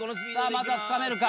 まずは掴めるか？